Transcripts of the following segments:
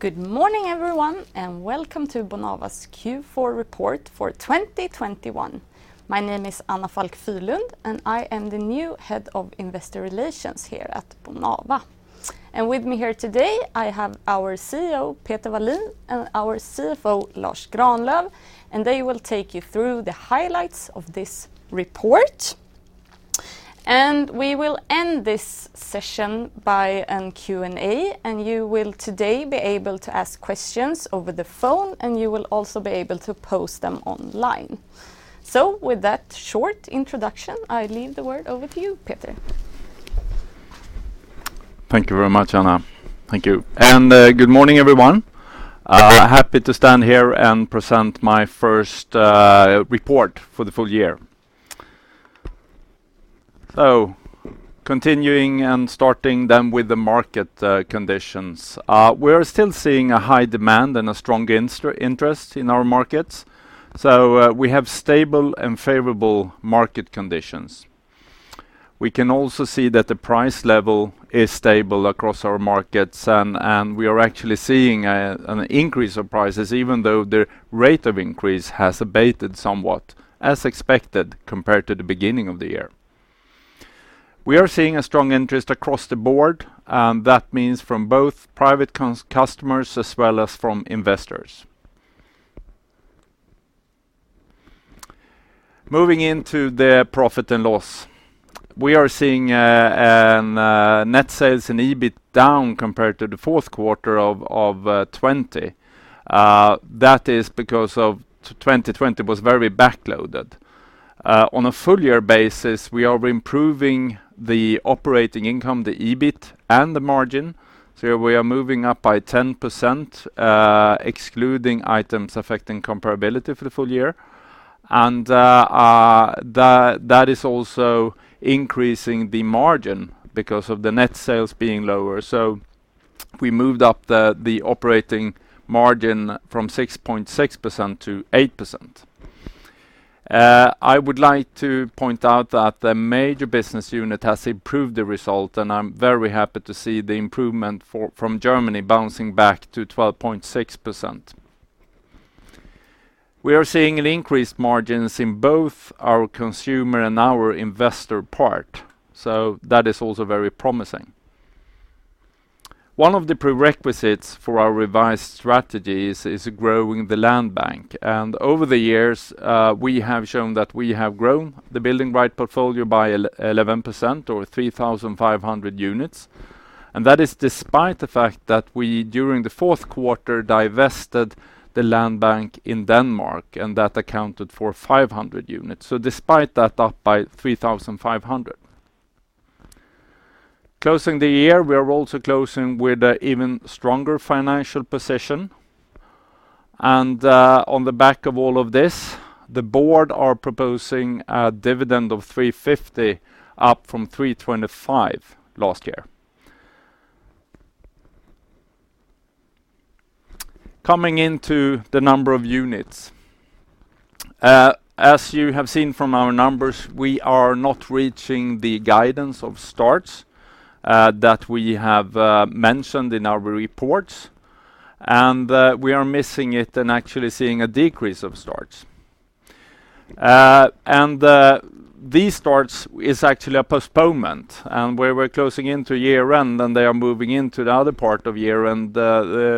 Good morning, everyone, and welcome to Bonava's Q4 Report for 2021. My name is Anna Falck Fyhrlund, and I am the new head of investor relations here at Bonava. With me here today, I have our CEO, Peter Wallin, and our CFO, Lars Granlöf, and they will take you through the highlights of this report. We will end this session by a Q&A, and you will today be able to ask questions over the phone, and you will also be able to post them online. With that short introduction, I leave the word over to you, Peter. Thank you very much, Anna. Thank you. Good morning, everyone. Happy to stand here and present my first report for the full year. Continuing and starting then with the market conditions. We're still seeing a high demand and a strong interest in our markets. We have stable and favorable market conditions. We can also see that the price level is stable across our markets, and we are actually seeing an increase of prices even though the rate of increase has abated somewhat as expected compared to the beginning of the year. We are seeing a strong interest across the board, and that means from both private customers as well as from investors. Moving into the profit and loss. We are seeing net sales and EBIT down compared to the fourth quarter of 20. That is because of 2020 was very backloaded. On a full-year basis, we are improving the operating income, the EBIT and the margin. We are moving up by 10%, excluding items affecting comparability for the full year. That is also increasing the margin because of the net sales being lower. We moved up the operating margin from 6.6% to 8%. I would like to point out that the major business unit has improved the result, and I'm very happy to see the improvement from Germany bouncing back to 12.6%. We are seeing increased margins in both our consumer and our investor part. That is also very promising. One of the prerequisites for our revised strategy is growing the land bank. Over the years, we have shown that we have grown the build-to-rent portfolio by 11% or 3,500 units. That is despite the fact that we, during the fourth quarter, divested the land bank in Denmark, and that accounted for 500 units. Despite that, up by 3,500. Closing the year, we are also closing with an even stronger financial position. On the back of all of this, the board are proposing a dividend of 3.50 up from 3.25 last year. Coming into the number of units. As you have seen from our numbers, we are not reaching the guidance of starts that we have mentioned in our reports. We are missing it and actually seeing a decrease of starts. These starts is actually a postponement, and we were closing into year-end, and they are moving into the other part of year-end.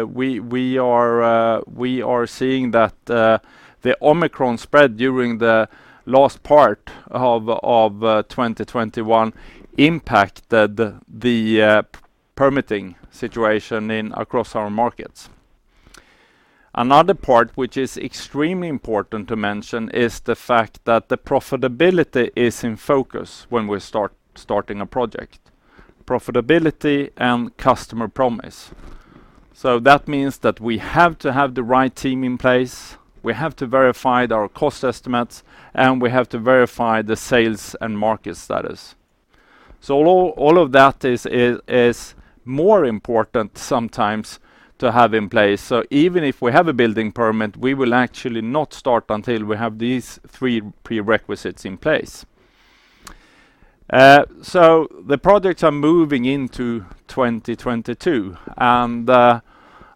We are seeing that the Omicron spread during the last part of 2021 impacted the permitting situation across our markets. Another part which is extremely important to mention is the fact that the profitability is in focus when we start a project. Profitability and customer promise. That means that we have to have the right team in place, we have to verify our cost estimates, and we have to verify the sales and market status. All of that is more important sometimes to have in place. Even if we have a building permit, we will actually not start until we have these three prerequisites in place. The projects are moving into 2022.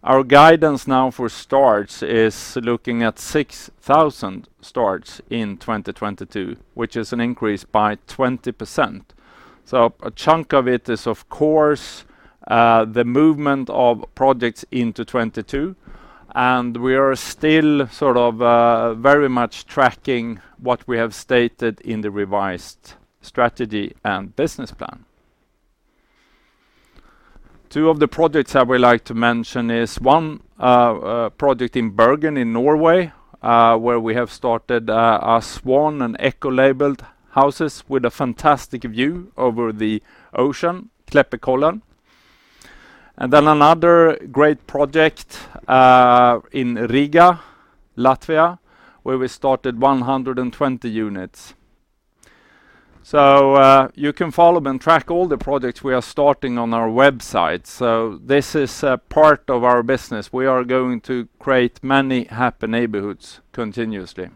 Our guidance now for starts is looking at 6,000 starts in 2022, which is an increase by 20%. A chunk of it is, of course, the movement of projects into 2022, and we are still sort of very much tracking what we have stated in the revised strategy and business plan. Two of the projects I would like to mention is one project in Bergen in Norway, where we have started a Swan and Eco labeled houses with a fantastic view over the ocean, Kleppekollen. Another great project in Riga, Latvia, where we started 120 units. You can follow and track all the projects we are starting on our website. This is a part of our business. We are going to create many happy neighborhoods continuously.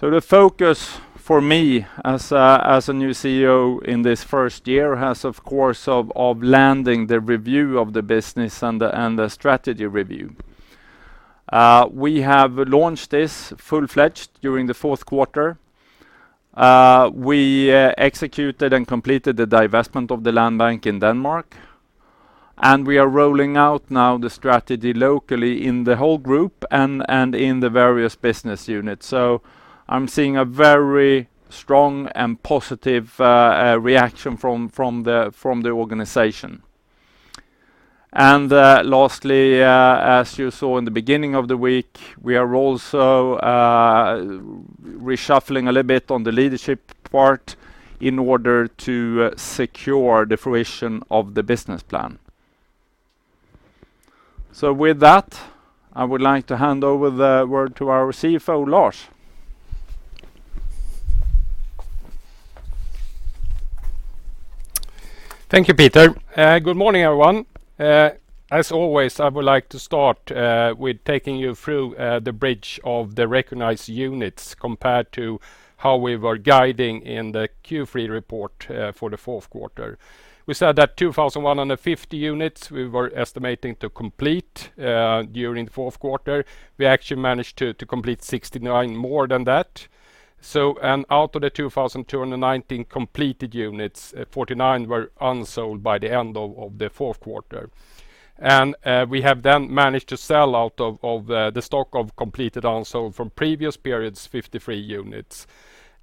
The focus for me as a new CEO in this first year has of course of landing the review of the business and the strategy review. We have launched this full-fledged during the fourth quarter. We executed and completed the divestment of the land bank in Denmark, and we are rolling out now the strategy locally in the whole group and in the various business units. I'm seeing a very strong and positive reaction from the organization. Lastly, as you saw in the beginning of the week, we are also reshuffling a little bit on the leadership part in order to secure the fruition of the business plan. With that, I would like to hand over the word to our CFO, Lars. Thank you, Peter. Good morning, everyone. As always, I would like to start with taking you through the bridge of the recognized units compared to how we were guiding in the Q3 report for the fourth quarter. We said that 2,150 units we were estimating to complete during the fourth quarter. We actually managed to complete 69 more than that. Out of the 2,219 completed units, 49 were unsold by the end of the fourth quarter. We have then managed to sell out of the stock of completed unsold from previous periods, 53 units.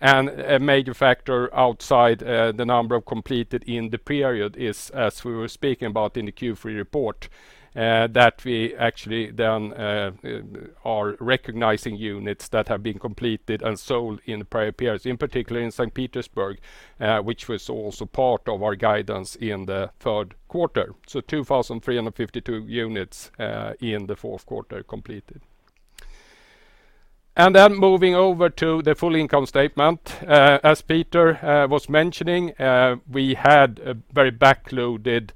A major factor outside the number of completed in the period is, as we were speaking about in the Q3 report, that we actually then are recognizing units that have been completed and sold in prior periods, in particular in St. Petersburg, which was also part of our guidance in the third quarter. 2,352 units in the fourth quarter completed. Moving over to the full income statement. As Peter was mentioning, we had a very back-loaded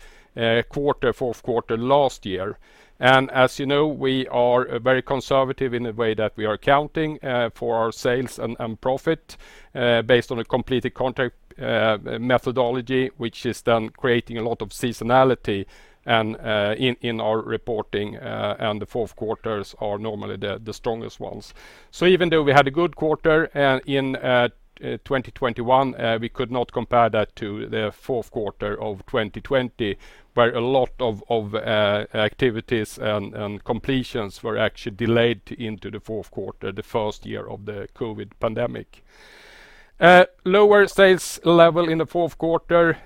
quarter, fourth quarter last year. As you know, we are very conservative in the way that we are accounting for our sales and profit based on a completed contract methodology, which is then creating a lot of seasonality in our reporting, and the fourth quarters are normally the strongest ones. Even though we had a good quarter in 2021, we could not compare that to the fourth quarter of 2020, where a lot of activities and completions were actually delayed into the fourth quarter, the first year of the COVID pandemic. Lower sales level in the fourth quarter,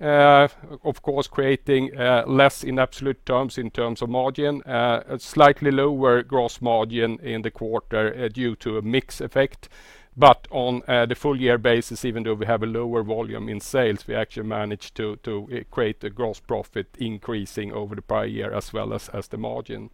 of course, creating less in absolute terms in terms of margin, a slightly lower gross margin in the quarter due to a mix effect. On the full year basis, even though we have a lower volume in sales, we actually managed to create a gross profit increasing over the prior year as well as the margin.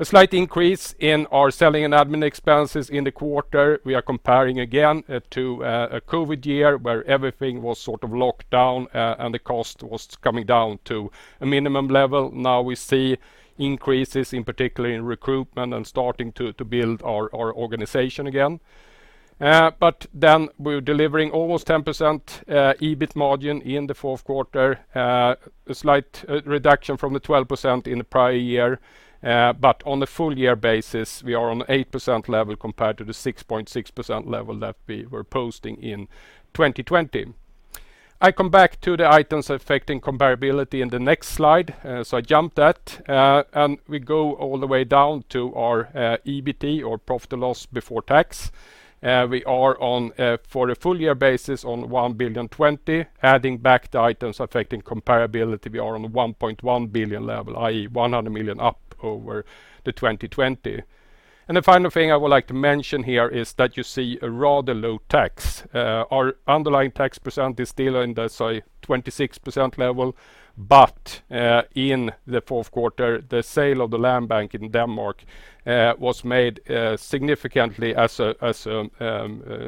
A slight increase in our selling and admin expenses in the quarter. We are comparing again to a COVID year where everything was sort of locked down and the cost was coming down to a minimum level. Now we see increases in particular in recruitment and starting to build our organization again. Then we're delivering almost 10% EBIT margin in the fourth quarter. A slight reduction from the 12% in the prior year, but on the full year basis, we are on 8% level compared to the 6.6% level that we were posting in 2020. I come back to the items affecting comparability in the next slide. I jumped that. We go all the way down to our EBT or profit or loss before tax. We are on, for a full year basis, 1.020 billion, adding back the items affecting comparability. We are on 1.1 billion level, i.e. 100 million up over 2020. The final thing I would like to mention here is that you see a rather low tax. Our underlying tax % is still in the 26% level, but in the fourth quarter, the sale of the land bank in Denmark was made significantly as a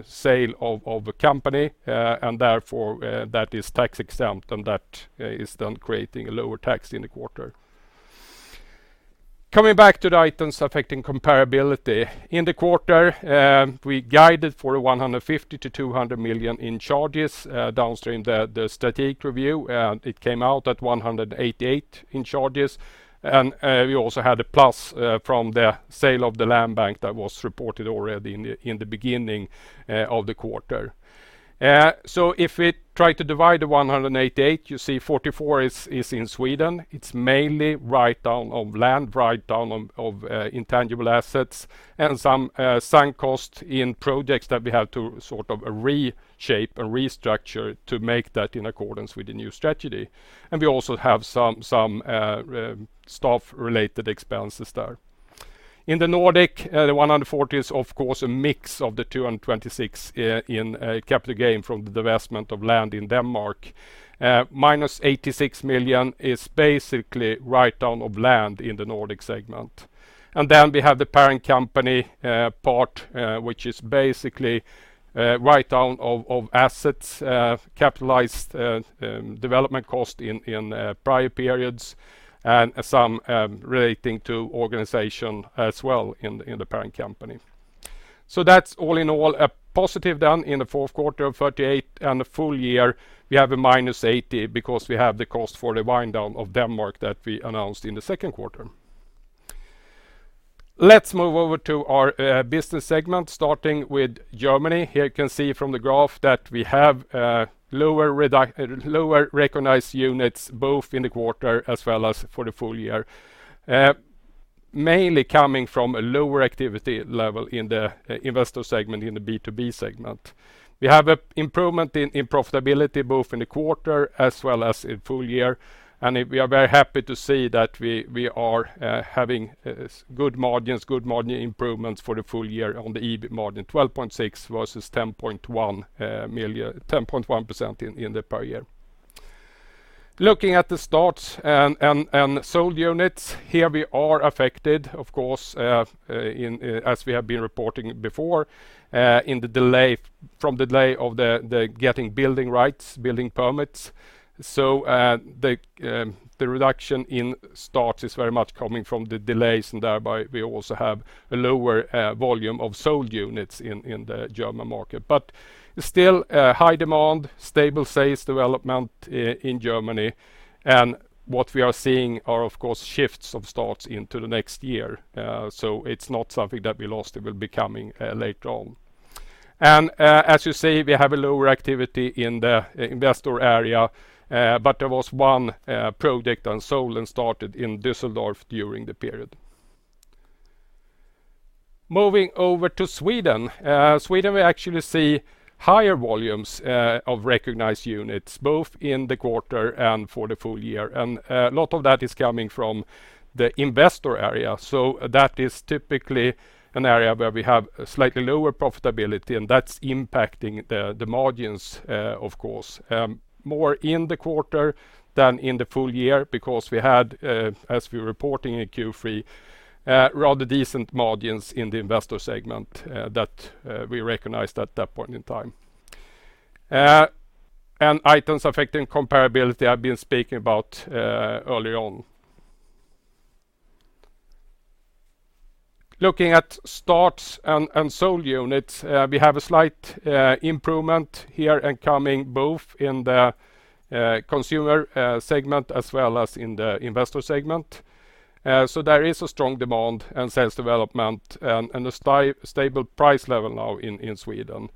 sale of a company, and therefore that is tax-exempt, and that is then creating a lower tax in the quarter. Coming back to the items affecting comparability. In the quarter, we guided for 150 million-200 million in charges downstream the strategic review, and it came out at 188 million in charges. We also had a plus from the sale of the land bank that was reported already in the beginning of the quarter. If we try to divide the 188, you see 44 is in Sweden. It's mainly write down of land, write down of intangible assets, and some sunk cost in projects that we have to sort of reshape and restructure to make that in accordance with the new strategy. We also have some staff-related expenses there. In the Nordic, the 140 is of course a mix of the 226 in capital gain from the divestment of land in Denmark. -86 million is basically a write-down of land in the Nordic segment. Then we have the parent company part, which is basically a write-down of assets capitalized development cost in prior periods and some relating to organization as well in the parent company. That's all in all a positive SEK 38 million in the fourth quarter and the full year we have a -80 million because we have the cost for the wind-down of Denmark that we announced in the second quarter. Let's move over to our business segment, starting with Germany. Here you can see from the graph that we have lower recognized units, both in the quarter as well as for the full year. Mainly coming from a lower activity level in the investor segment, in the B2B segment. We have an improvement in profitability, both in the quarter as well as in full year. We are very happy to see that we are having good margins, good margin improvements for the full year on the EBIT margin, 12.6% versus 10.1%, 10.1% in the prior year. Looking at the starts and sold units, here we are affected, of course, in as we have been reporting before, in the delay of getting building rights, building permits. The reduction in starts is very much coming from the delays, and thereby we also have a lower volume of sold units in the German market. Still, high demand, stable sales development in Germany. What we are seeing, of course, are shifts of starts into the next year. It's not something that we lost. It will be coming later on. As you see, we have a lower activity in the investor area, but there was one project unsold and started in Düsseldorf during the period. Moving over to Sweden. Sweden we actually see higher volumes of recognized units, both in the quarter and for the full year. A lot of that is coming from the investor area. That is typically an area where we have a slightly lower profitability, and that's impacting the margins, of course, more in the quarter than in the full year because we had, as we were reporting in Q3, rather decent margins in the investor segment, that we recognized at that point in time. Items affecting comparability I've been speaking about early on. Looking at starts and sold units, we have a slight improvement here and coming both in the consumer segment as well as in the investor segment. There is a strong demand and sales development and a stable price level now in Sweden.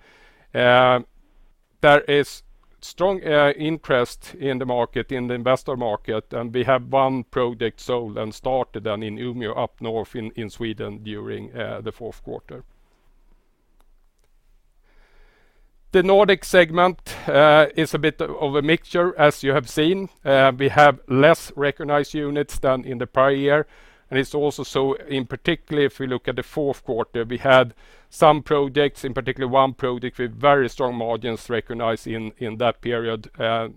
There is strong interest in the market, in the investor market, and we have one project sold and started then in Umeå up north in Sweden during the fourth quarter. The Nordic segment is a bit of a mixture, as you have seen. We have less recognized units than in the prior year, and it's also so in particular if we look at the fourth quarter. We had some projects, in particular one project with very strong margins recognized in that period.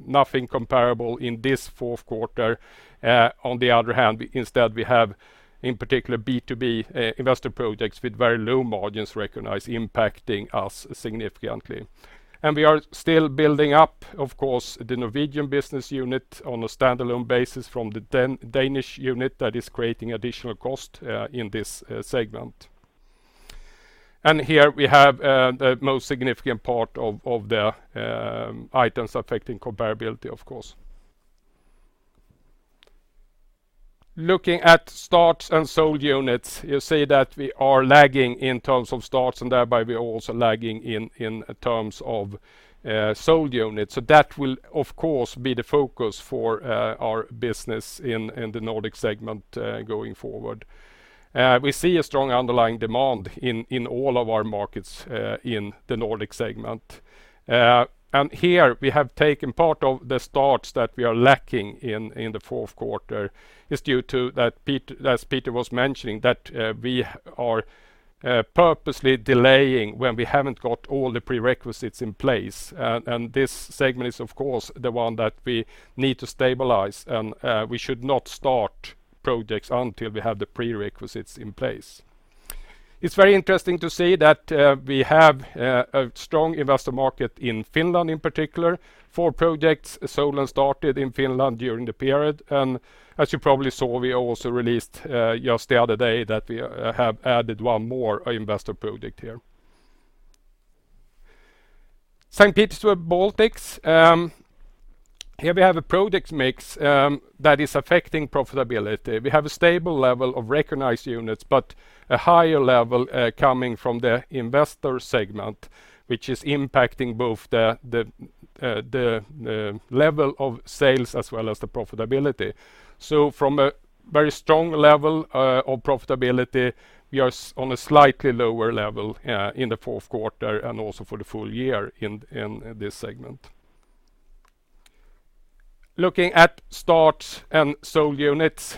Nothing comparable in this fourth quarter. On the other hand, instead we have in particular B2B investor projects with very low margins recognized impacting us significantly. We are still building up, of course, the Norwegian business unit on a standalone basis from the Danish unit that is creating additional cost in this segment. Here we have the most significant part of the items affecting comparability, of course. Looking at starts and sold units, you see that we are lagging in terms of starts, and thereby we are also lagging in terms of sold units. That will, of course, be the focus for our business in the Nordic segment going forward. We see a strong underlying demand in all of our markets in the Nordic segment. Here we have the part of the starts that we are lacking in the fourth quarter is due to that Peter was mentioning, that we are purposely delaying when we haven't got all the prerequisites in place. This segment is of course the one that we need to stabilize, and we should not start projects until we have the prerequisites in place. It's very interesting to see that we have a strong investor market in Finland in particular. Four projects sold and started in Finland during the period. As you probably saw, we also released just the other day that we have added one more investor project here. St. Petersburg, Baltics, here we have a project mix that is affecting profitability. We have a stable level of recognized units, but a higher level coming from the investor segment, which is impacting both the level of sales as well as the profitability. From a very strong level of profitability, we are on a slightly lower level in the fourth quarter and also for the full year in this segment. Looking at starts and sold units,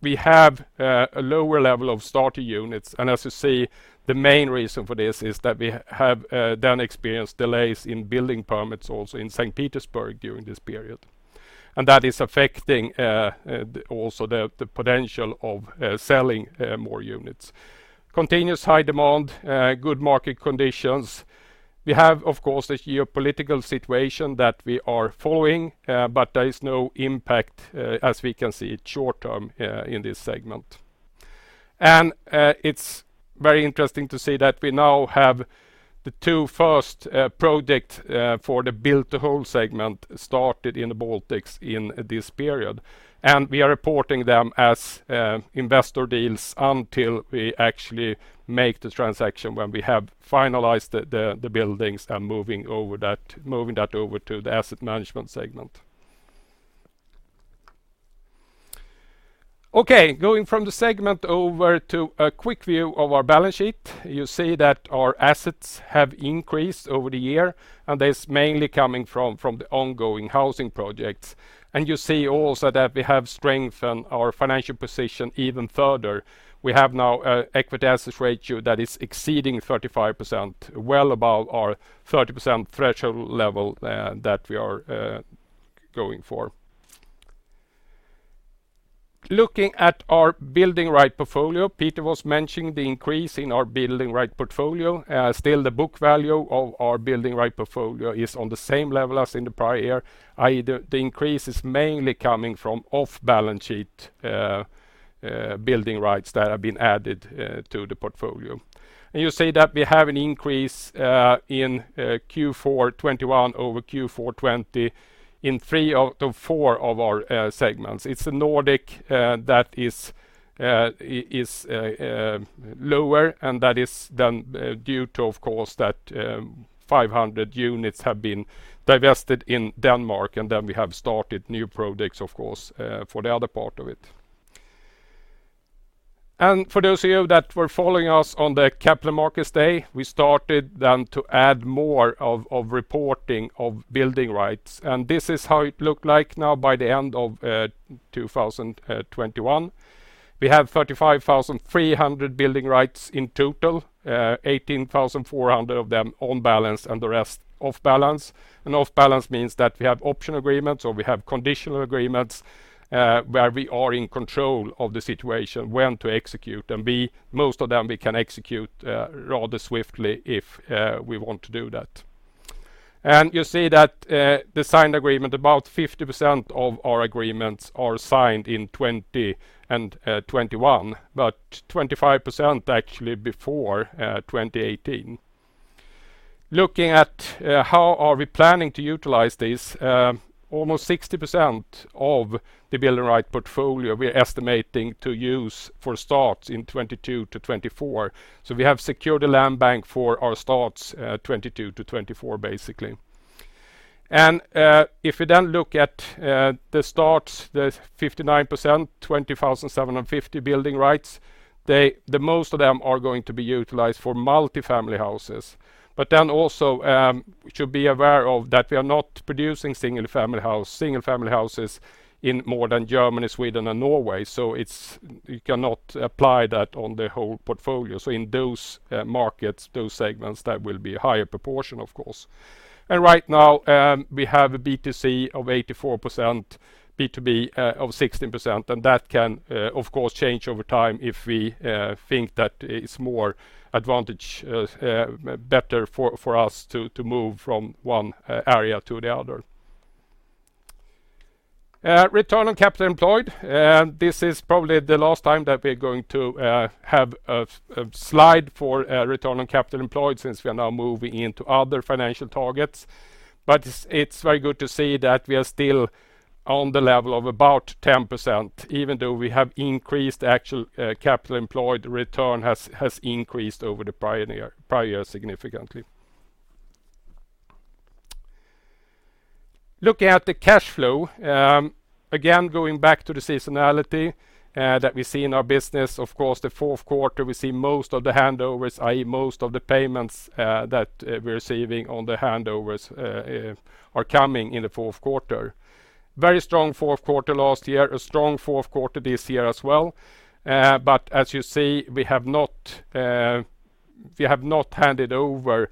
we have a lower level of started units. As you see, the main reason for this is that we have then experienced delays in building permits also in St. Petersburg during this period. That is affecting also the potential of selling more units. Continuous high demand, good market conditions. We have, of course, the geopolitical situation that we are following, but there is no impact as we can see it short-term in this segment. It's very interesting to see that we now have the 2 first projects for the build-to-hold segment started in the Baltics in this period. We are reporting them as investor deals until we actually make the transaction when we have finalized the buildings and moving that over to the asset management segment. Okay. Going from the segment over to a quick view of our balance sheet. You see that our assets have increased over the year, and that's mainly coming from the ongoing housing projects. You see also that we have strengthened our financial position even further. We have now equity/assets ratio that is exceeding 35%, well above our 30% threshold level that we are going for. Looking at our building rights portfolio, Peter was mentioning the increase in our building rights portfolio. Still, the book value of our building rights portfolio is on the same level as in the prior year, i.e., the increase is mainly coming from off-balance sheet building rights that have been added to the portfolio. You see that we have an increase in Q4 2021 over Q4 2020 in three out of four of our segments. It's in Nordic that is lower, and that is then due to, of course, that 500 units have been divested in Denmark, and then we have started new projects, of course, for the other part of it. For those of you that were following us on the Capital Markets Day, we started then to add more of reporting of building rights. This is how it looked like now by the end of 2021. We have 35,300 building rights in total, 18,400 of them on balance and the rest off balance. Off balance means that we have option agreements or we have conditional agreements, where we are in control of the situation when to execute. Most of them we can execute rather swiftly if we want to do that. You see that the signed agreement, about 50% of our agreements are signed in 2020 and 2021, but 25% actually before 2018. Looking at how we are planning to utilize this almost 60% of the building right portfolio we're estimating to use for starts in 2022 to 2024. We have secured the land bank for our starts 2022 to 2024, basically. If you then look at the starts, the 59%, 20,750 building rights, the most of them are going to be utilized for multifamily houses. Then also, we should be aware of that we are not producing single-family houses in more than Germany, Sweden, and Norway. It's you cannot apply that on the whole portfolio. In those markets, those segments, that will be a higher proportion, of course. Right now, we have a B2C of 84%, B2B of 16%, and that can, of course, change over time if we think that it's better for us to move from one area to the other. Return on capital employed. This is probably the last time that we're going to have a slide for return on capital employed since we are now moving into other financial targets. It's very good to see that we are still on the level of about 10%. Even though we have increased actual capital employed, return has increased over the prior year significantly. Looking at the cash flow, again, going back to the seasonality that we see in our business, of course, the fourth quarter, we see most of the handovers, i.e., most of the payments that we're receiving on the handovers are coming in the fourth quarter. Very strong fourth quarter last year. A strong fourth quarter this year as well. As you see, we have not handed over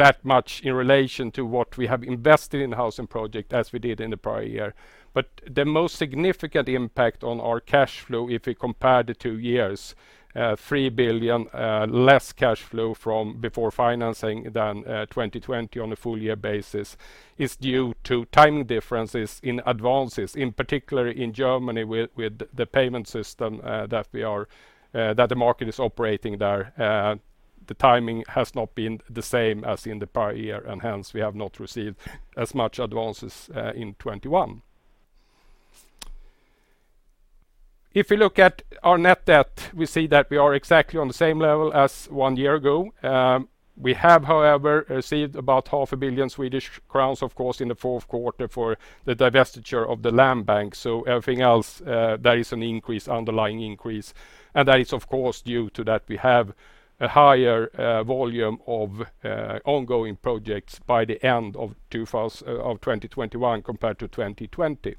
that much in relation to what we have invested in housing project as we did in the prior year. The most significant impact on our cash flow, if we compare the two years, 3 billion less cash flow from before financing than 2020 on a full year basis, is due to timing differences in advances, in particular in Germany with the payment system that the market is operating there. The timing has not been the same as in the prior year, and hence we have not received as much advances in 2021. If we look at our net debt, we see that we are exactly on the same level as one year ago. We have, however, received about half a billion Swedish crowns, of course, in the fourth quarter for the divestiture of the land bank. Everything else, there is an increase, underlying increase, and that is of course due to that we have a higher volume of ongoing projects by the end of 2021 compared to 2020.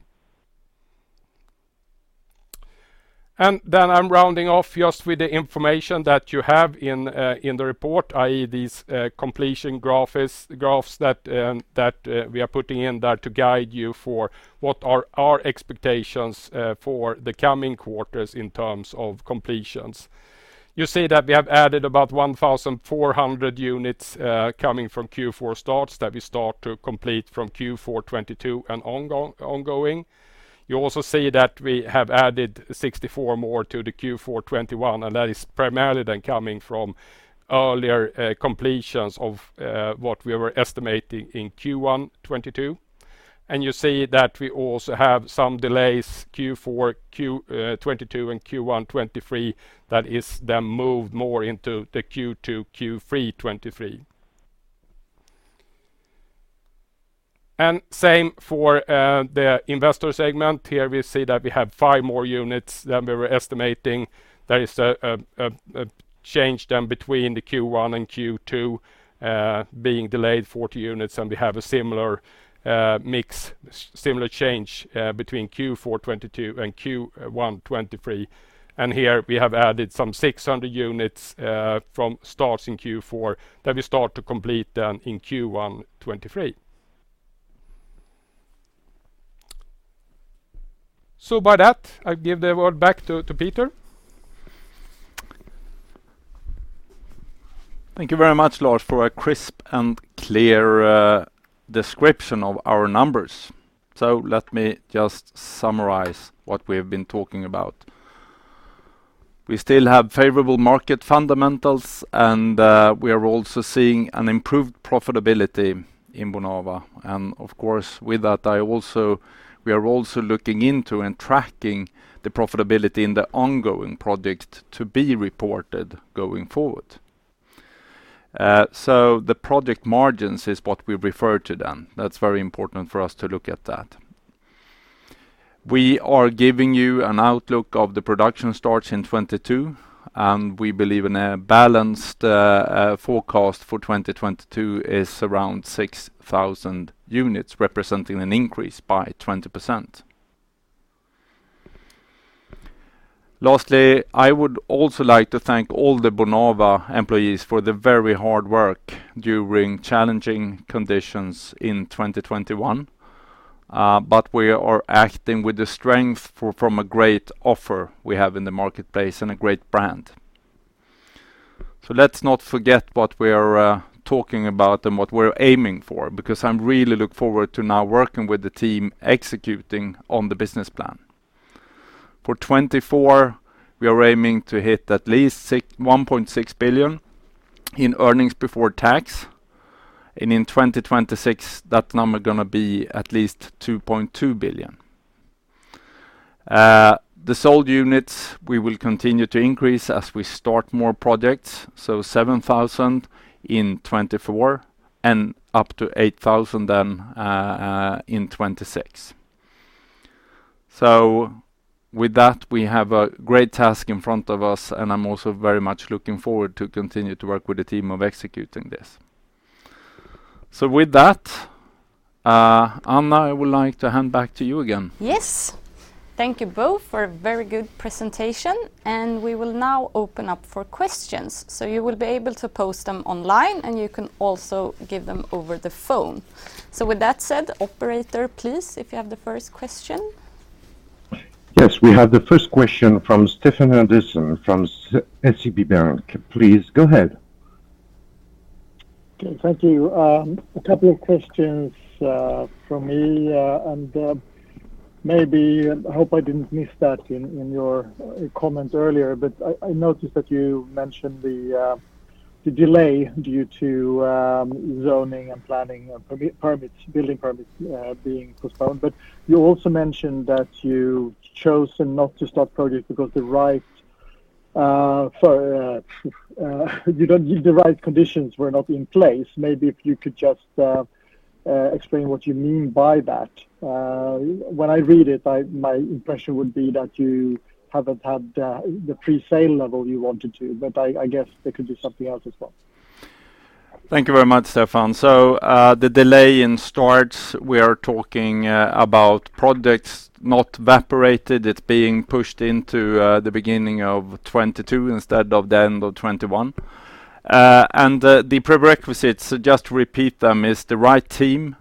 I'm rounding off just with the information that you have in the report, i.e., these completion graphs that we are putting in there to guide you for what are our expectations for the coming quarters in terms of completions. You see that we have added about 1,400 units coming from Q4 starts that we start to complete from Q4 2022 and ongoing. You also see that we have added 64 more to the Q4 2021, and that is primarily then coming from earlier completions of what we were estimating in Q1 2022. You see that we also have some delays Q4 2022 and Q1 2023 that is then moved more into the Q2, Q3 2023. Same for the investor segment. Here we see that we have 5 more units than we were estimating. That is a change done between the Q1 and Q2 being delayed 40 units, and we have a similar mix, similar change between Q4 2022 and Q1 2023. Here we have added some 600 units from starts in Q4 that we start to complete in Q1 2023. By that, I give the word back to Peter. Thank you very much, Lars, for a crisp and clear description of our numbers. Let me just summarize what we have been talking about. We still have favorable market fundamentals, and we are also seeing an improved profitability in Bonava. Of course, we are also looking into and tracking the profitability in the ongoing project to be reported going forward. The project margins is what we refer to then. That's very important for us to look at that. We are giving you an outlook of the production starts in 2022, and we believe in a balanced forecast for 2022 is around 6,000 units, representing an increase by 20%. Lastly, I would like to thank all the Bonava employees for the very hard work during challenging conditions in 2021. We are acting with the strength from a great offer we have in the marketplace and a great brand. Let's not forget what we are talking about and what we're aiming for because I'm really look forward to now working with the team executing on the business plan. For 2024, we are aiming to hit at least 1.6 billion in earnings before tax. In 2026, that number gonna be at least 2.2 billion. The sold units, we will continue to increase as we start more projects, so 7,000 in 2024 and up to 8,000 then in 2026. With that, we have a great task in front of us, and I'm also very much looking forward to continue to work with the team of executing this. With that, Anna, I would like to hand back to you again. Yes. Thank you both for a very good presentation, and we will now open up for questions. You will be able to post them online, and you can also give them over the phone. With that said, operator, please, if you have the first question. Yes, we have the first question from Stefan Andersson from SEB. Please go ahead. Okay, thank you. A couple of questions from me, and maybe I hope I didn't miss that in your comments earlier, but I noticed that you mentioned the delay due to zoning and planning permits, building permits, being postponed. You also mentioned that you've chosen not to start projects because the right conditions were not in place. Maybe if you could just explain what you mean by that. When I read it, my impression would be that you haven't had the pre-sale level you wanted to, but I guess there could be something else as well. Thank you very much, Stefan. The delay in starts, we are talking about projects not evaporated. It's being pushed into the beginning of 2022 instead of the end of 2021. The prerequisites, just to repeat them, is the right team,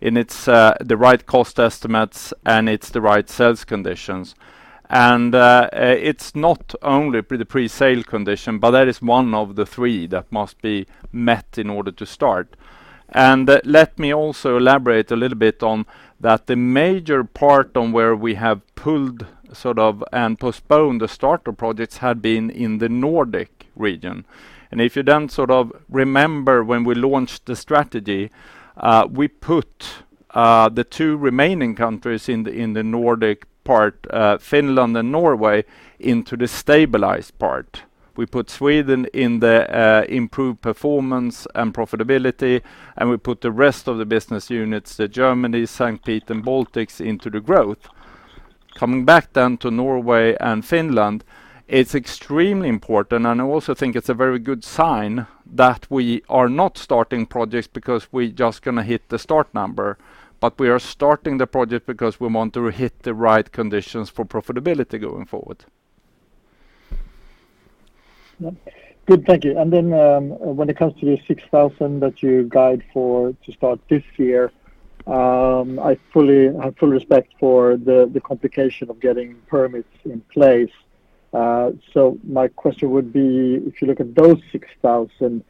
and it's the right cost estimates, and it's the right sales conditions. Let me also elaborate a little bit on that the major part on where we have pulled sort of and postponed the starter projects had been in the Nordic region. If you then sort of remember when we launched the strategy, we put the two remaining countries in the Nordic part, Finland and Norway, into the stabilized part. We put Sweden in the improved performance and profitability, and we put the rest of the business units, Germany, Denmark, and Baltics, into the growth. Coming back then to Norway and Finland, it's extremely important, and I also think it's a very good sign that we are not starting projects because we're just gonna hit the start number. We are starting the project because we want to hit the right conditions for profitability going forward. Good. Thank you. When it comes to the 6,000 that you guide for to start this year, I fully have full respect for the complication of getting permits in place. So my question would be, if you look at those 6,000,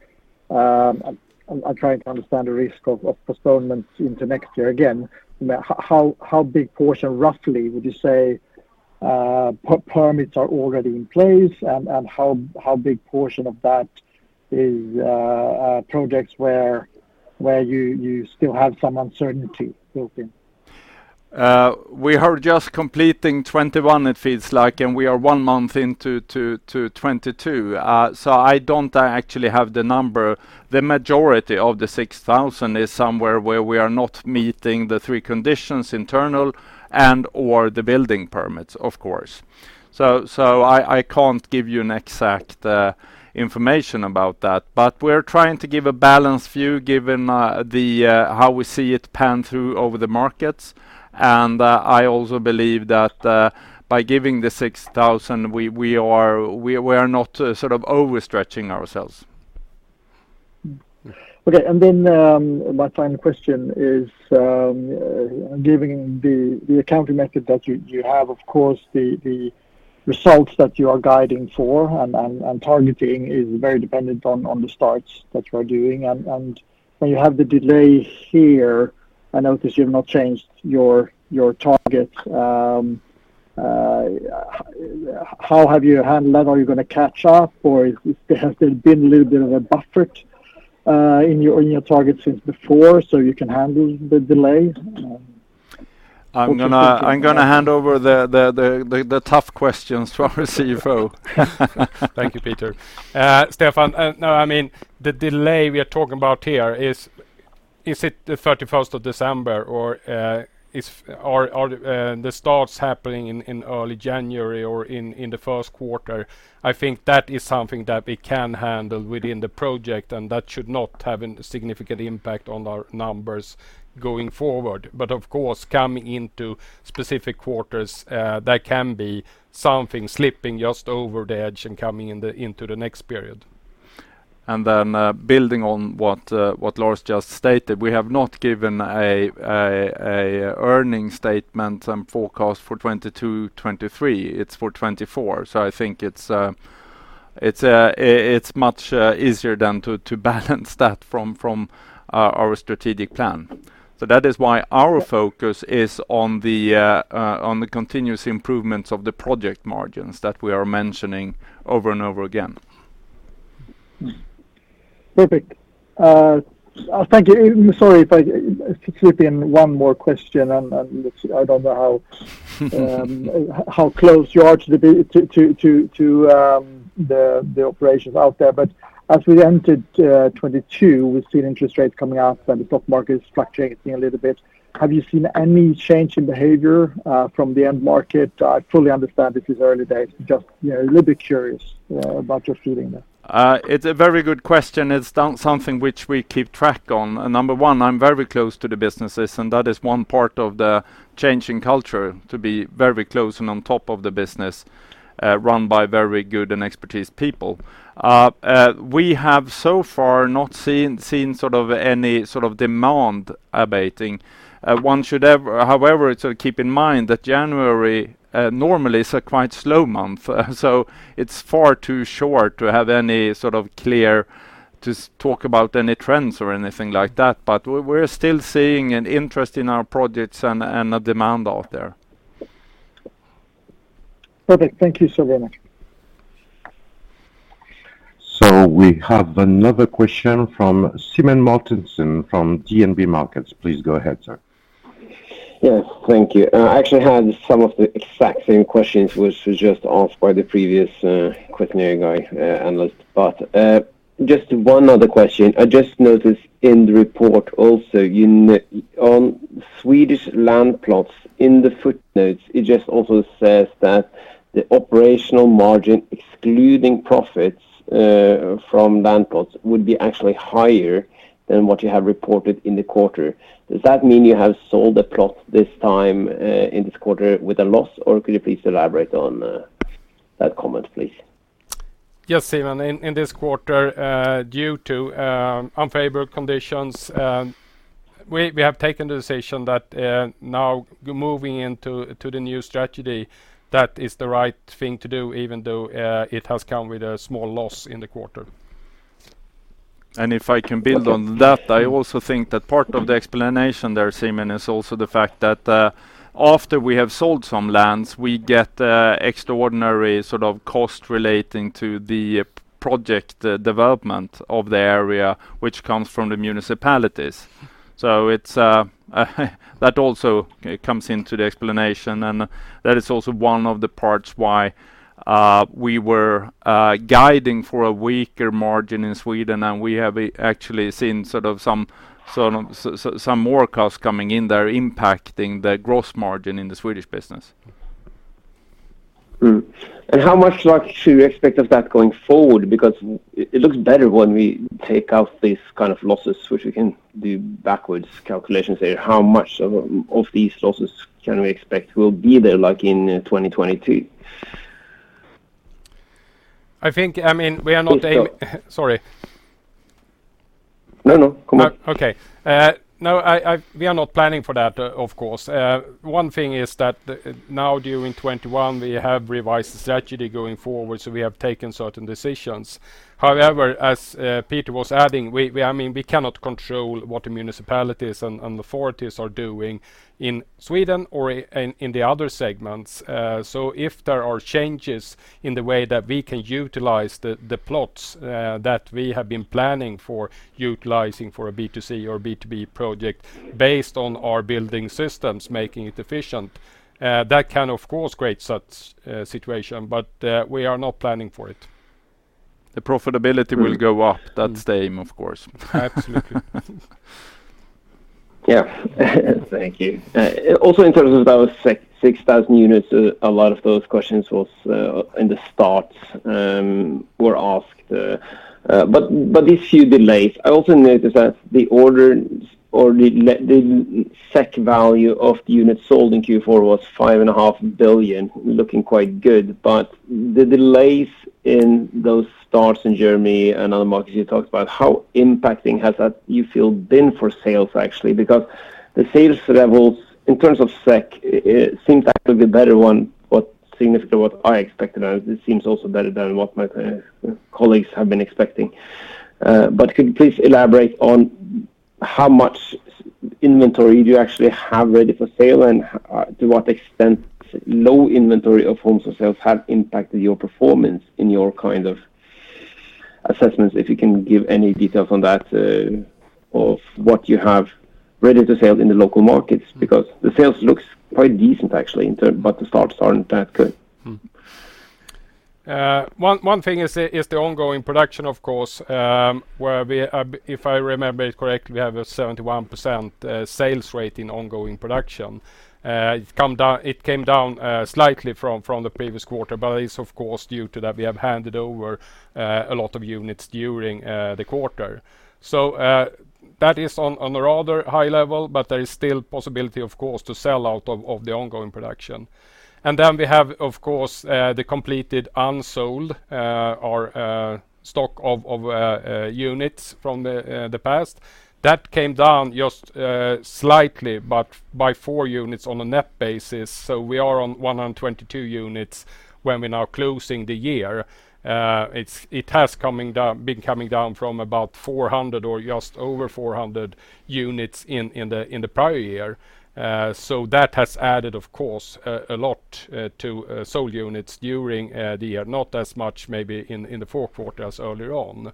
I'm trying to understand the risk of postponements into next year. Again, how big portion roughly would you say, permits are already in place and how big portion of that is projects where you still have some uncertainty built in? We are just completing 2021 it feels like, and we are one month into 2022. I don't actually have the number. The majority of the 6,000 is somewhere where we are not meeting the 3 conditions internally or the building permits, of course. I can't give you an exact information about that. We're trying to give a balanced view given how we see it pan out over the markets. I also believe that by giving the 6,000, we are not sort of overstretching ourselves. Okay. My final question is, given the accounting method that you have, of course, the results that you are guiding for and targeting is very dependent on the starts that you are doing. When you have the delay here, I notice you've not changed your target. How have you handled that? Are you gonna catch up or has there been a little bit of a buffer in your target since before so you can handle the delay? I'm gonna- Hope to I'm gonna hand over the tough questions to our CFO. Thank you, Peter. Stefan, no, I mean, the delay we are talking about here is it the thirty-first of December or the starts happening in early January or in the first quarter? I think that is something that we can handle within the project, and that should not have a significant impact on our numbers going forward. Of course, coming into specific quarters, there can be something slipping just over the edge and coming into the next period. Building on what Lars just stated, we have not given an earnings statement and forecast for 2022, 2023. It is for 2024. I think it is much easier to balance that from our strategic plan. That is why our focus is on the continuous improvements of the project margins that we are mentioning over and over again. Perfect. Thank you. Sorry, slipping in one more question, I don't know how close you are to the operations out there. As we entered 2022, we've seen interest rates coming up and the stock market is fluctuating a little bit. Have you seen any change in behavior from the end market? I fully understand if it's early days. Just, you know, a little bit curious about your feeling there. It's a very good question. It's something which we keep track of. Number one, I'm very close to the businesses, and that is one part of the changing culture to be very close and on top of the business run by very good and experienced people. We have so far not seen sort of any sort of demand abating. One should, however, sort of keep in mind that January normally is quite a slow month. It's far too short to have any sort of clear talk about any trends or anything like that. We're still seeing an interest in our projects and a demand out there. Perfect. Thank you so very much. We have another question from Simen Mortensen from DNB Markets. Please go ahead, sir. Yes. Thank you. I actually had some of the exact same questions which was just asked by the previous questioner, analyst. Just one other question. I just noticed in the report also on Swedish land plots in the footnotes, it just also says that the operational margin excluding profits from land plots would be actually higher than what you have reported in the quarter. Does that mean you have sold the plot this time in this quarter with a loss, or could you please elaborate on that comment, please? Yes, Simen. In this quarter, due to unfavorable conditions, we have taken the decision that now moving into the new strategy, that is the right thing to do, even though it has come with a small loss in the quarter. If I can build on that, I also think that part of the explanation there, Simen, is also the fact that, after we have sold some lands, we get extraordinary sort of cost relating to the project, the development of the area which comes from the municipalities. That also comes into the explanation, and that is also one of the parts why we were guiding for a weaker margin in Sweden, and we have actually seen sort of some more costs coming in there impacting the gross margin in the Swedish business. How much like should we expect of that going forward? Because it looks better when we take out these kind of losses, which we can do backwards calculations there. How much of these losses can we expect will be there like in 2022? I think, I mean, we are not. Please go. Sorry. No, no. Come on. No, we are not planning for that, of course. One thing is that now during 2021 we have revised the strategy going forward, so we have taken certain decisions. However, as Peter was adding, I mean, we cannot control what the municipalities and the authorities are doing in Sweden or in the other segments. So if there are changes in the way that we can utilize the plots that we have been planning for utilizing for a B2C or B2B project based on our building systems making it efficient, that can of course create such a situation. We are not planning for it. The profitability will go up. That's the aim, of course. Absolutely. Yeah. Thank you. Also in terms of those 6,000 units, a lot of those questions on the starts were asked. These few delays, I also noticed that the order intake or the net SEK value of the units sold in Q4 was 5.5 billion, looking quite good. The delays in those starts in Germany and other markets you talked about, how impacting do you feel that has been for sales actually? Because the sales levels in terms of SEK, it seems it could be better, but significantly better than what I expected and it seems also better than what my colleagues have been expecting. Could you please elaborate on how much inventory do you actually have ready for sale? To what extent low inventory of homes for sale have impacted your performance in your kind of assessments? If you can give any details on that, of what you have ready to sell in the local markets, because the sales looks quite decent actually in terms, but the starts aren't that good. One thing is the ongoing production, of course, where we have. If I remember it correctly, we have a 71% sales rate in ongoing production. It came down slightly from the previous quarter, but it is of course due to that we have handed over a lot of units during the quarter. That is on a rather high level, but there is still possibility of course to sell out of the ongoing production. Then we have of course the completed unsold or stock of units from the past. That came down just slightly, but by 4 units on a net basis. We are on 122 units when we're now closing the year. It has been coming down from about 400 or just over 400 units in the prior year. That has added of course a lot to sold units during the year. Not as much maybe in the fourth quarter as earlier on.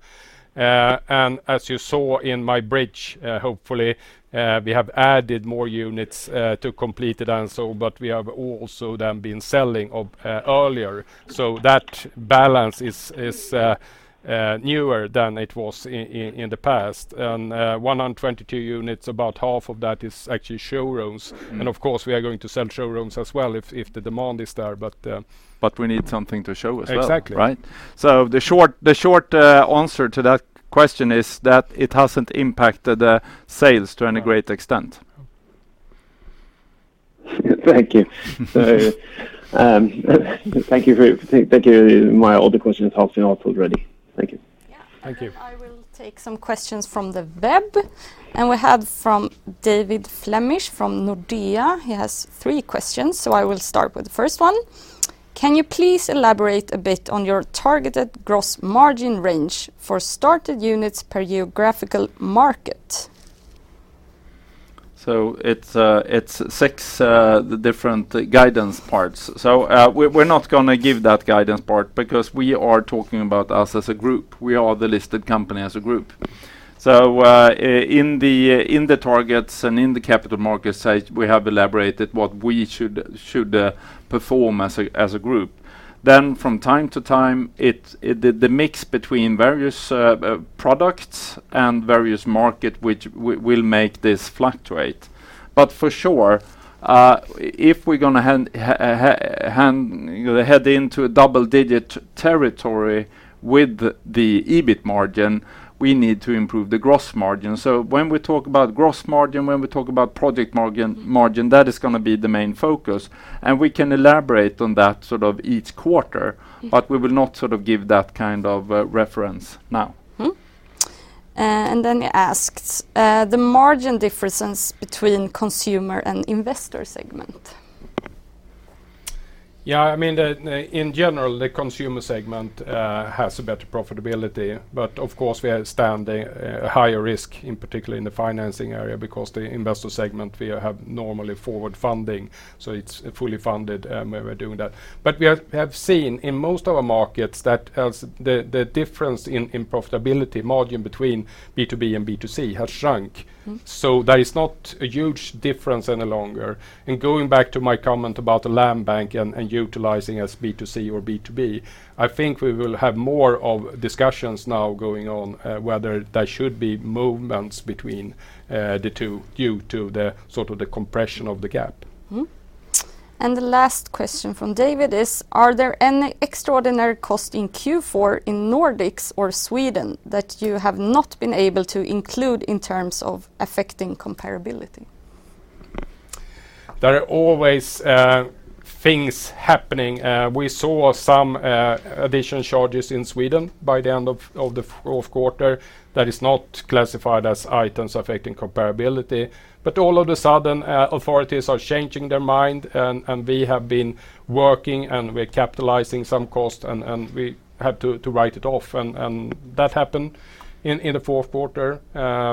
As you saw in my bridge, hopefully, we have added more units to completed and so, but we have also then been selling off earlier. That balance is more even than it was in the past. 122 units, about half of that is actually showrooms. Mm-hmm. Of course we are going to sell showrooms as well if the demand is there. But We need something to show as well. Exactly. Right? The short answer to that question is that it hasn't impacted the sales to any great extent. Thank you. Thank you. My other questions have been answered already. Thank you. Thank you. Yeah. Then I will take some questions from the web. We have from David Flejtej from Nordea. He has three questions, so I will start with the first one. Can you please elaborate a bit on your targeted gross margin range for started units per geographical market? It's six different guidance parts. We're not gonna give that guidance part because we are talking about us as a group. We are the listed company as a group. In the targets and in the Capital Markets Day, we have elaborated what we should perform as a group. From time to time, it's the mix between various products and various markets which will make this fluctuate. But for sure, if we're gonna head, you know, into a double-digit territory with the EBIT margin, we need to improve the gross margin. When we talk about gross margin, when we talk about project margin, that is gonna be the main focus, and we can elaborate on that sort of each quarter. Mm-hmm. We will not sort of give that kind of reference now. Mm-hmm. He asks the margin differences between consumer and investor segment. Yeah. I mean, in general, the consumer segment has a better profitability, but of course we are standing a higher risk in particular in the financing area because the investor segment we have normally forward funding, so it's fully funded when we're doing that. But we have seen in most of our markets that as the difference in profitability margin between B2B and B2C has shrunk. Mm-hmm. There is not a huge difference any longer. Going back to my comment about the land bank and utilizing as B2C or B2B, I think we will have more of discussions now going on whether there should be movements between the two due to the sort of the compression of the gap. The last question from David is, are there any extraordinary cost in Q4 in Nordics or Sweden that you have not been able to include in terms of affecting comparability? There are always things happening. We saw some additional charges in Sweden by the end of the fourth quarter that is not classified as items affecting comparability. All of a sudden authorities are changing their mind and we have been working and we're capitalizing some costs and we had to write it off and that happened in the fourth quarter.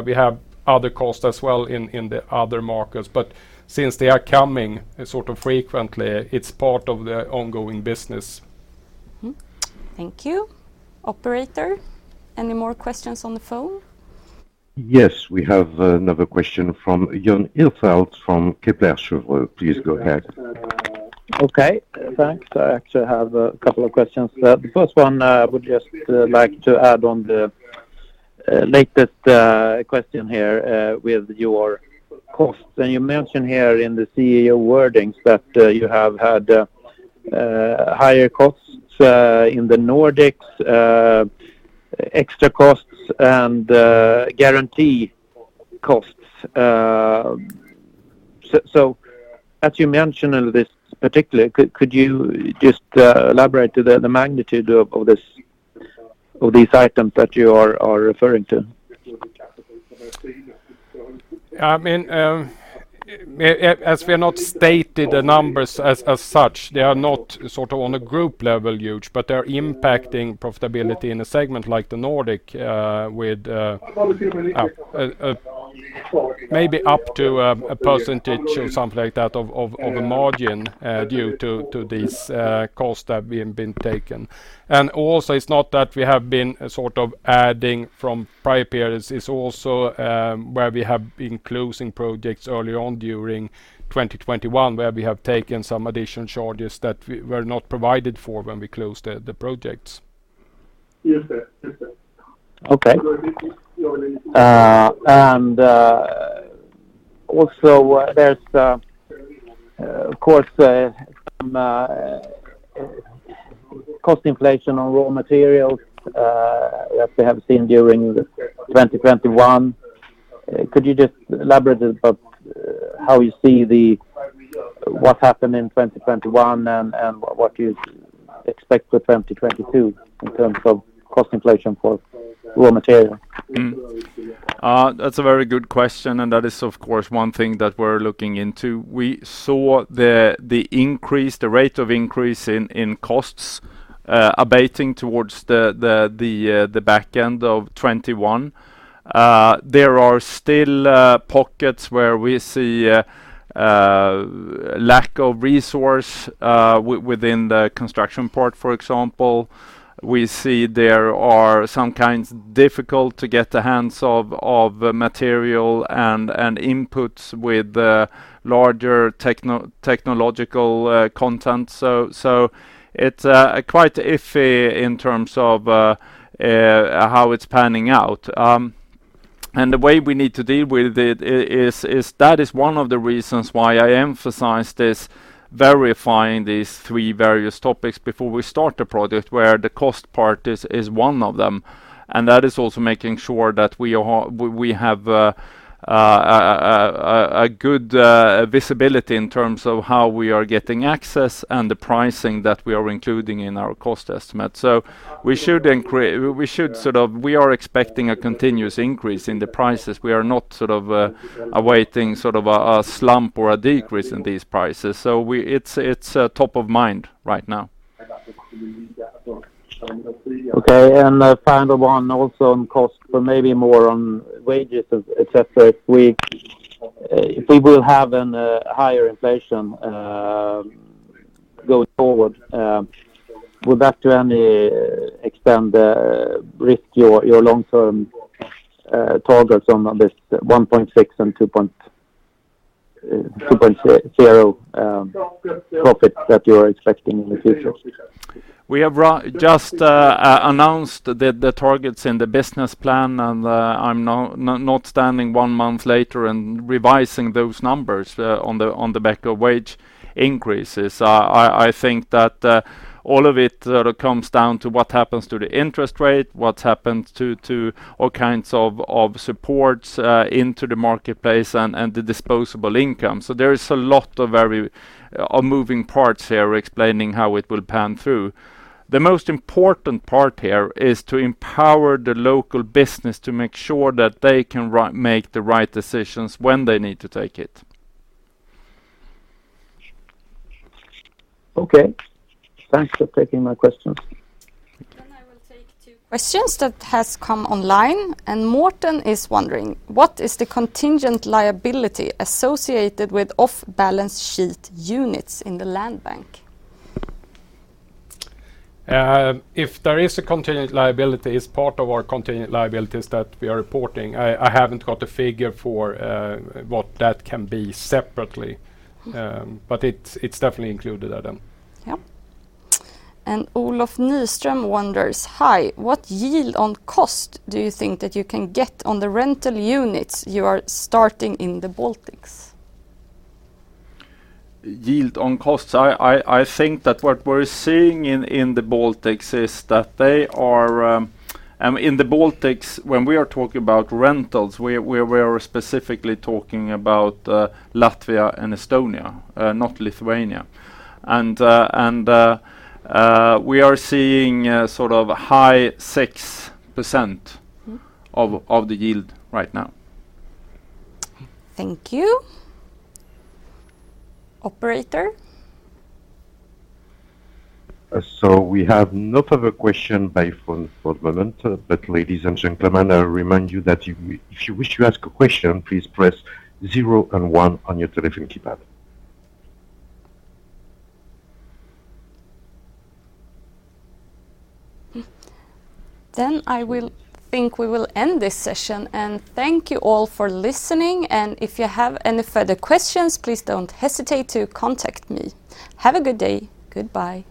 We have other costs as well in the other markets, but since they are coming sort of frequently, it's part of the ongoing business. Thank you. Operator, any more questions on the phone? Yes. We have another question from Jan Ihrfelt from Kepler Cheuvreux. Please go ahead. Okay. Thanks. I actually have a couple of questions. The first one I would just like to add on the latest question here with your costs. You mentioned here in the CEO wordings that you have had higher costs in the Nordics, extra costs and guarantee costs. So as you mentioned in this particular, could you just elaborate to the magnitude of these items that you are referring to? I mean, as we have not stated the numbers as such, they are not sort of on a group level huge, but they're impacting profitability in a segment like the Nordic with maybe up to a percentage or something like that of a margin due to these costs that we've taken. Also, it's not that we have been sort of adding from prior periods. It's also where we have been closing projects early on during 2021, where we have taken some additional charges that we were not provided for when we closed the projects. Okay. Also there's of course some cost inflation on raw materials as we have seen during 2021. Could you just elaborate about how you see what happened in 2021 and what you expect for 2022 in terms of cost inflation for raw material? That's a very good question, and that is of course one thing that we're looking into. We saw the increase, the rate of increase in costs abating towards the back end of 2021. There are still pockets where we see lack of resource within the construction part, for example. We see there are some kinds difficult to get our hands on material and inputs with larger technological content. It's quite iffy in terms of how it's panning out. The way we need to deal with it is that is one of the reasons why I emphasize verifying these three various topics before we start the project where the cost part is one of them. That is also making sure that we have a good visibility in terms of how we are getting access and the pricing that we are including in our cost estimate. We are expecting a continuous increase in the prices. We are not sort of awaiting sort of a slump or a decrease in these prices. It's top of mind right now. Okay. Final one also on cost, but maybe more on wages, etc. If we will have a higher inflation going forward, will that to any extent risk your long-term targets on this 1.6% and 2.0% profit that you are expecting in the future? We have just announced the targets in the business plan, and I'm not standing one month later and revising those numbers on the back of wage increases. I think that all of it sort of comes down to what happens to the interest rate, what happens to all kinds of supports into the marketplace and the disposable income. There is a lot of moving parts here explaining how it will pan out. The most important part here is to empower the local business to make sure that they can make the right decisions when they need to take it. Okay. Thanks for taking my questions. I will take two questions that has come online, and Morten is wondering: What is the contingent liability associated with off-balance sheet units in the land bank? If there is a contingent liability, it's part of our contingent liabilities that we are reporting. I haven't got a figure for what that can be separately, but it's definitely included in them. Yeah. Olof Nyström wonders: Hi, what yield on cost do you think that you can get on the rental units you are starting in the Baltics? Yield on costs. I think that what we're seeing in the Baltics is that they are in the Baltics, when we are talking about rentals, we're specifically talking about Latvia and Estonia, not Lithuania. We are seeing sort of high 6% of the yield right now. Thank you. Operator? We have no further question by phone for the moment. Ladies and gentlemen, I remind you that if you wish to ask a question, please press zero and one on your telephone keypad. I think we will end this session, and thank you all for listening. If you have any further questions, please don't hesitate to contact me. Have a good day. Goodbye.